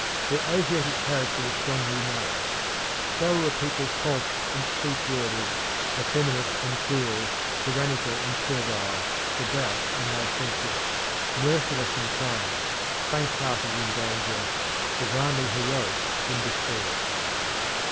Their Asiatic character was strongly marked. They were a people false and sweet worded, effeminate and cruel, tyrannical and servile, devout and licentious, merciless in triumph, faint hearted in danger, divinely heroic in despair.